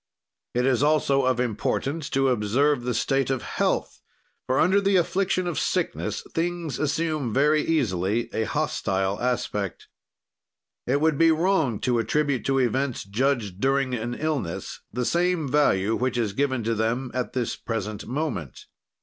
"It is also of importance to observe the state of health, for under the affliction of sickness things assume very easily a hostile aspect. "It would be wrong to attribute to events judged during an illness the same value which is given to them at this present moment.